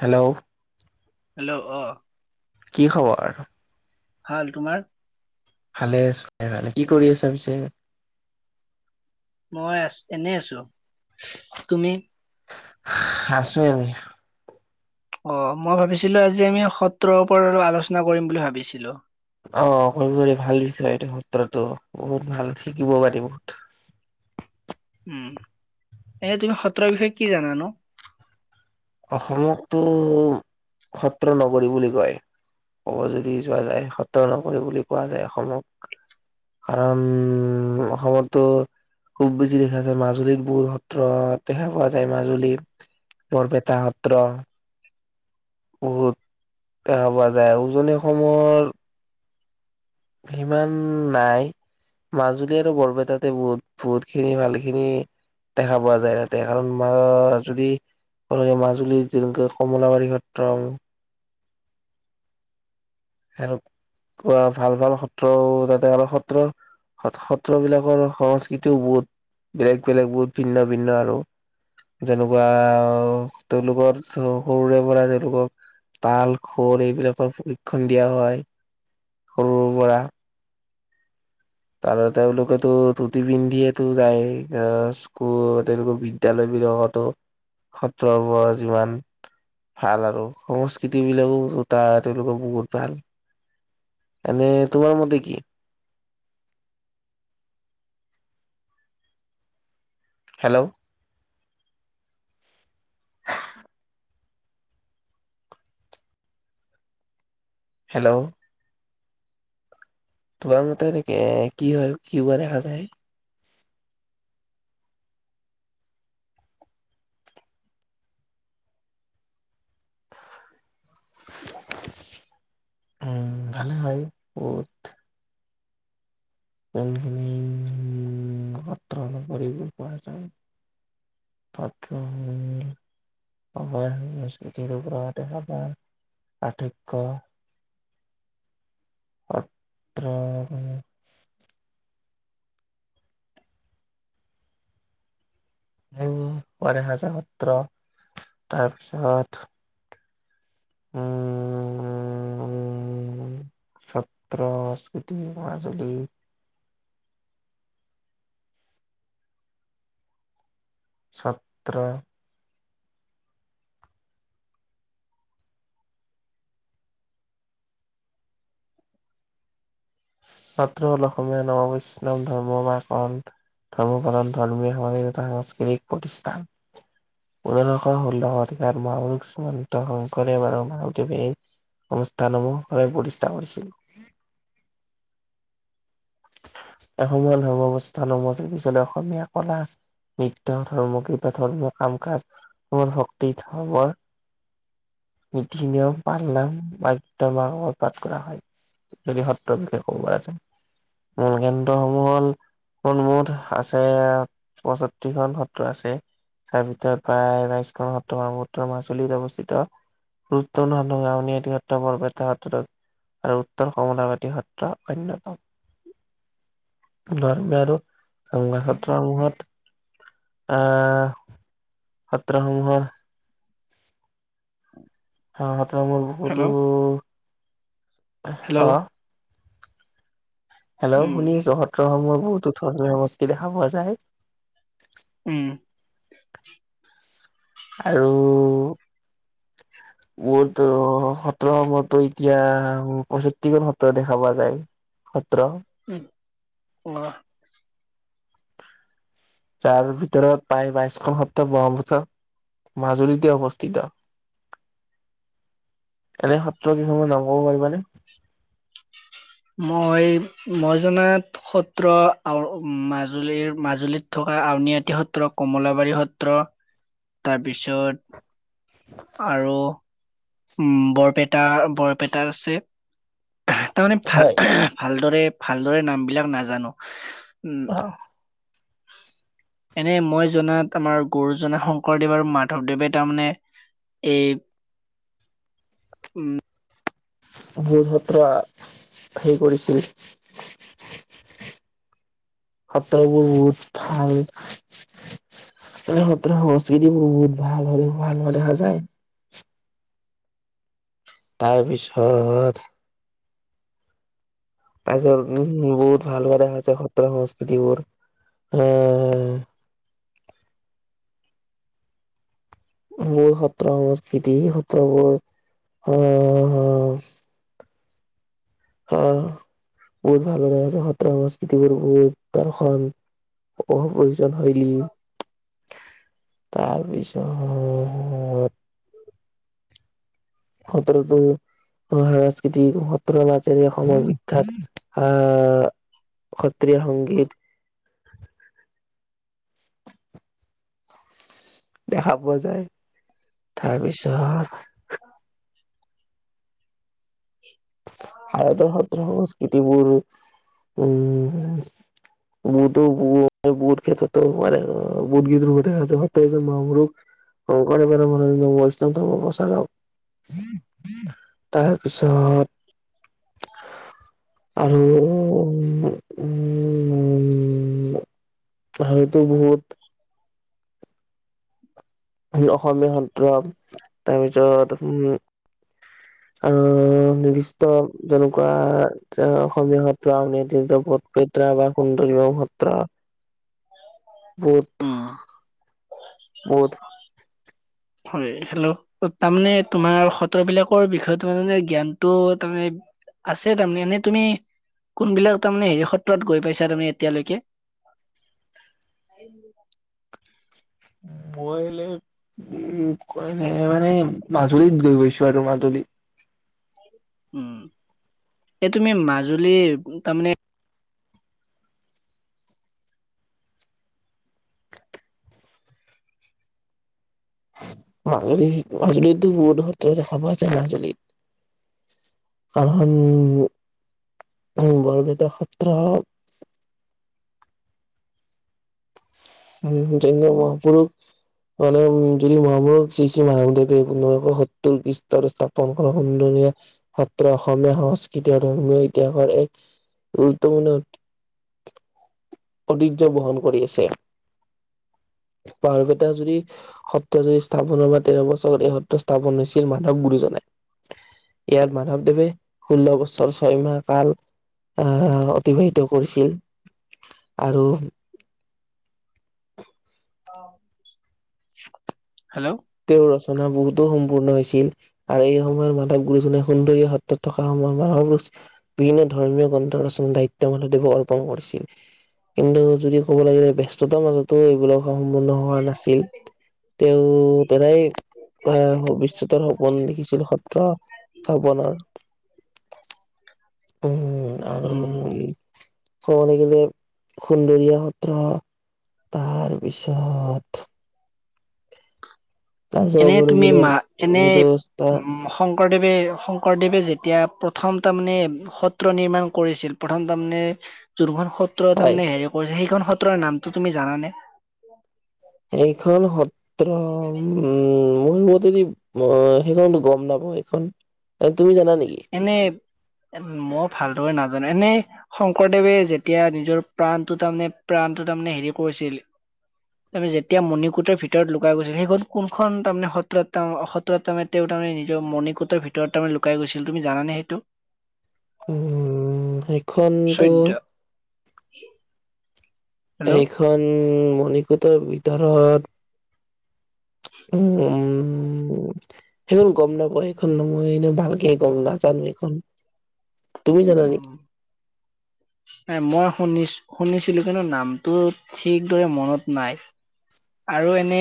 Hello hello অ কি খবৰ? ভাল তোমাৰ ভালে আছো দিয়া ভালে। কি কৰি আছা পিছে মই আছ আছো এনে আছো তুমি আছো এনে অ মই ভাবিছিলো আজি আমি সত্ৰৰ ওপৰত অলপ আলোচনা কৰিম বুলি ভাবিছিলো অ কৰিব পাৰি ভাল বিষয় এইটো সত্ৰতো বহুত ভাল শিকিব পাৰি বহুত উম এনে তুমি সত্ৰৰ বিষয়ে কি জানানো অসমকতো সত্ৰ নগৰী বুলি কয় ক'ব যদি যোৱা যায় সত্ৰ নগৰী বুলি কোৱা যায় অসমক কাৰণ অসমতটো খুব বেছি দেখা যায় মাজুলীত বহুত সত্ৰ দেখা পোৱা যায় মাজুলী বৰপেট টা সত্ৰ বহুত দেখা পোৱা যায় আউ উজনি অসমৰ সিমান নাই মাজুলী আৰু বৰপেটাতে বহুত বহুত খিনি ভালে খিনি দেখা পোৱা যায় তাতে কাৰণ মা জুৰি অনেকে মাজুলীত যেনেকৈ কমলাবাৰী সত্ৰং আৰু কোৱা ভাল ভাল সত্ৰও তাতে আৰু সত্ৰ সত সত্ৰবিলাকৰ সংস্কৃতিও বহুত বেলেগ বেলেগ বহুত ভিন্ন ভিন্ন আৰু যেনেকুৱা ও তেওঁলোকৰ হ সৰুৰে পৰাই তেওঁলোকক তাল খোল এইবিলাকৰ প্ৰশিক্ষণ দিয়া হয় সৰুৰ পৰা আৰু তেওঁলোকেতো ধূতি পিন্ধিয়েতো যায় অছ আকৌ তেওঁলোকৰ বিদ্যালয় বিলাকতো সত্ৰবোৰৰ যিমান ভাল আৰু সংস্কৃতি বিলাকো তাত তেওঁলোকৰ বহুত ভাল এনে তোমাৰ মতে কি হেল্ল' [inaudible] হেল্ল' তোমাৰ মতে এনেকে কি হয়, কি হোৱা দেখা যায়। উম্, ভালে হয় ক'ত। কোনখিনি। কতান প় পাইচ কত [unintelligible] অ' হয় হয়, স্মৃতিৰ পৰা দেখা পাই। পাৰ্থক্য সত্ৰ হেম কৰে হাজাৰ সত্ৰ তাৰপিছত। ছত্ৰ সংস্কৃতি মাজুলী। ছত্ৰ। সত্ৰ হ'ল অসমীয়া নৱবৈষ্ণৱ ধৰ্ম বাকৰণ। [unintelligible] ধৰ্মীয় সমাজ এটা সাংস্কৃতিক প্ৰতিষ্ঠান। পোন্ধৰশ ষোল্ল শতিকাত মহাপুৰুষ শ্ৰীমন্ত শংকৰদেৱ আৰু মাধৱদেৱে। অনুষ্ঠানসমূহ প্ৰতিষ্ঠা কৰিছিল। এসময়ত ধৰ্মৱস্থান সমাজ পিছ অসমীয়া কলা নৃত্য, ধৰ্ম কিবা ধৰ্ম কাম কাজৰ শক্তি ধৰ্মৰ নীতি-নিয়ম পালন [unintelligible] যদি সত্ৰৰ বিষয়ে ক'ব পৰা যায়। মূল কেন্দ্ৰসমূহ হ'ল [unintelligible] মুঠ আছে পয়ষষ্ঠিখন সত্ৰ আছে। তাৰ ভিতৰত প্ৰায় বাইশখন সত্ৰ মাজুলীত অৱস্থিত। [unintelligible] আউনিআটি সত্ৰ [unintelligible] আৰু উত্তৰ কমলাবাদী সত্ৰ অন্যতম। [unintelligible] সত্ৰসমূহত আহ সত্ৰসমূহত। উম। সত্ৰসমূহত বহুতো হেল্ল' [unintelligible] হেল্ল'! উম শুনি আছ? সত্ৰসমূহত বহুতো ধৰ্মীয় সংস্কৃতি দেখা পোৱা যায়। উম। আৰু [inaudible] মোৰতো সত্ৰসমহতটো এতিয়া পষষ্ঠিখন সত্ৰ দেখা পোৱা যায়। সত্ৰ। উম অ' তাৰ ভিতৰত প্ৰায় বাইশখন সত্ৰ ব্ৰক্ষ্মপুত্ৰ। মাজুলীতে অৱস্থিত। এনে সত্ৰ কেইখনমান নাম ক'ব পাৰিবা নে? মই, মই জানাত সত্ৰ মাজুলিৰ মাজুলিত থকা আউনীআটী সত্ৰ, কমলাবাৰী সত্ৰ। তাৰপিছত আৰু উম বৰপেটা, বৰপেটাত আছে, তাৰমানে ভাল হয়। ভালদৰে ভালদৰে নামবিলাক নাজানোঁ। এনে মই জনাত আমাৰ গুৰুজন শংকৰদেৱ আৰু মাধৱদেৱে তাৰমানে এই উম গুৰুসত্ৰ হেৰি কৰিছিল [inaudible] সত্ৰবোৰ বহুত ভাল। এই সত্ৰ সংস্কৃতিবোৰ বহুত ভাল [unintelligible] তাৰপিছত তাৰপিছত বহুত ভাল হোৱা দেখাইছে, সত্ৰ সংস্কৃতি বোৰ। আহ মোৰ সত্ৰ সংস্কৃতি এই সত্ৰবোৰ আহ অ' বহুত ভাল লগা আছে, সত্ৰ সংস্কৃতিবোৰ বহুত দৰ্শন বহু প্ৰয়োজন শৈলী। তাৰপিছত সত্ৰতো আহ সাংস্কৃতিক সত্ৰৰ মাজেৰ অসমৰ বিখ্যাত আহ সত্ৰীয়া সংগীত। দেখা পোৱা যায়। তাৰ পিছত [unintelligible] ভাৰতৰ সত্ৰ সংস্কৃ সংস্কৃতিবোৰ উম বহুতো বহু-বহুত ক্ষেত্ৰত হ'ব পাৰে অহ, বহুত [unintelligible] অহ, কৰে-কৰে-কৰে মানে বৈষ্ণৱতো প্ৰচাৰ হওঁক। [unintelligible] তাৰপিছত আৰু [unintelligible] আৰুতো বহুত [unintelligible] উম, অসমীয়া সত্ৰ তাৰপিছত উম [inaudible] আৰু নিৰ্দিষ্ট যেনেকুৱা আহ, অসমীয়া সত্ৰ আউনীআটি সত্ৰ [unintelligible] বা সুন্দলীভাব সত্ৰ। বহুত উম। ক'ত? হয়, হেল্ল'। তাৰমানে তোমাৰ সত্ৰবিলাকৰ বিষয়টো মানে জ্ঞানটো তাৰমানে আছে তাৰমানে, এনেই তুমি কোনবিলাক তাৰমানে হেৰি সত্ৰত গৈ পাইছা তুমি এতিয়ালৈকে? [unintelligible] মই হ'লে উম, কোৱা নাই মানে মাজুলীত গৈ পাইছোঁ আৰু মাজুলীত। উম, এই তুমি মাজুলীৰ তাৰমানে মাজুলীত, মাজুলীতো বহুত সত্ৰ দেখা পোৱা যায় মাজুলীত। কাৰণ বৰপেটা সত্ৰ উম, যেনে মহাপুৰুষ মানে উম যদি মহাপৰুষ শ্ৰী শ্ৰী মাধৱদেৱে পোন্ধৰশ সত্তৰ খ্ৰীষ্টৰ স্থা পন কৰা সুন্দৰীয়ে সত্ৰ অসমীয়া সংস্কৃতি আৰু ধৰ্মীয় ইতিহাসৰ এক গুৰুত্বপূৰ্ণ ঐতিহ্য বহন কৰি আছে। বৰপেটা যদি সত্ৰ জুৰি স্থাপনৰ পৰা তেৰ বছৰত এই সত্ৰ স্থাপন হৈছিল, মাধৱ গুৰুজনাই ইয়াত মাধৱদেৱে ষোল্ল বছৰ ছয়মাহ কাল আহ, অতিবাহিত কৰিছিল আৰু হেল্ল'। তেওঁৰ ৰচনা বহুতো সম্পূৰ্ণ হৈছিল। আৰু এই সময়ত মাধৱ গুৰুজনাই সুন্দৰীয়া সত্ৰত থকা সময়ত [unintelligible] বিভিন্ন ধৰ্মীয় গ্ৰন্থ ৰচনাৰ দায়িত্ব মাধৱদেৱক অৰ্পণ কৰিছিল। কিন্তু যদি ক'ব লাগিলে ব্যস্ততাৰ মাজত ত' এইবিলাক সম্পূন্ন হোৱা নাছিল। তেওঁ এই আহ, ভৱিষ্যতৰ সপোন দেখিছিল সত্ৰ স্থাপনৰ। [unintelligible] উম, আৰু উম ক'ব লাগিলে সুন্দৰীয়া সত্ৰ তাৰপিছত তাৰপিছত ক'ব এনেই তুমি লাগিলে মা, এনেই দস্তা ম শংকৰদেৱে-শংকৰদেৱে যেতিয়া প্ৰথম তাৰমানে সত্ৰ নিৰ্মাণ কৰিছিল, প্ৰথম তাৰমানে যোনখন সত্ৰ হয় তাৰমানে হেৰি কৰিছে, সেইখন সত্ৰৰ নামটো তুমি জানানে? এইখন সত্ৰ উম, মোৰ মতেদি মই সেইখনতো গম নাপাওঁ সেইখন, এ তুমি জানা নেকি? এনে, ময়ো ভালদৰে নাজানো, এনেই শংকৰদেৱে যেতিয়া নিজৰ প্ৰাণটো তাৰমানে প্ৰাণটো তাৰমানে হেৰি কৰিছিল। আৰু যেতিয়া মণিকূটৰ ভিতৰত লুকাই গৈছিল, সেইখন কোনখন তাৰমানে সত্ৰত তেওঁ অসৎ ত্ৰত তেওঁ তাৰমানে তেওঁ নিজৰ মণিকূটৰ ভিতৰত তাৰমানে লুকাই গৈছিল, তুমি জানানে সেইটো? উম, সেইখনতো চৈধ্য এইখন মণিকূটৰ ভিতৰত উম। সেইখন গম নাপাওঁ, সেইখন মই এনে ভালকে গম নাজানো এইখন। তুমি জানা উউম। নেকি? নাই, মই শুনিছ শুনিছিলো কিন্তু নামটো ঠিকদৰে মনত নাই। আৰু এনে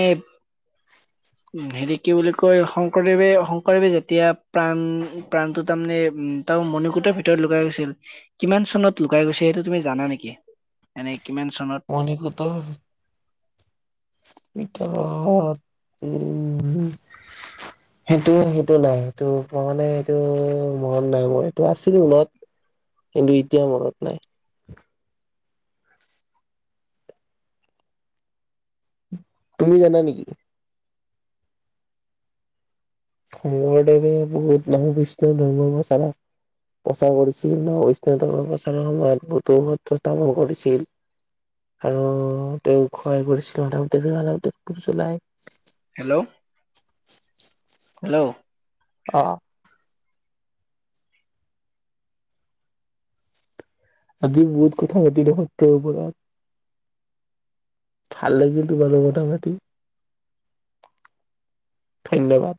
হেৰি কি বুলি কয়, শংকৰদেৱে শংকৰদেৱে যেতিয়া প্ৰাণ প্ৰাণটো তাৰমানে, উম তেওঁ মণিকূটৰ ভিতৰত লুকাই গৈছিল, কিমান চনত লুকাই গৈছিল সেইটো তুমি জানা নেকি? এনে কিমান চনত মণিকূটৰ ভিতৰত উম [inaudible] সেইটো সেইটো নাই, সেইটো মই মানে সেইটো মনত নাই মোৰ, এইটো আছিলে মনত কিন্তু এতিয়া মনত নাই। তুমি জানা নেকি? শংকৰদেৱে বহুত নাম বিষ্ণু [unintelligible] প্ৰচাৰ কৰিছিল ন', বৈষ্ণৱ ধৰ্ম প্ৰচাৰৰ সময়ত বহুতো সত্ৰ স্থাপন কৰিছিল। আৰু তেওঁক সহায় কৰিছিল মাধৱদেৱ মাধৱদেৱ [unintelligible] হেল্ল', হেল্ল'। অ'। আজি বহুত কথা পাতিলোঁ সত্ৰৰ ওপৰত। ভাল লাগিল তোমাৰ লগত কথা পাতি। ধন্যবাদ।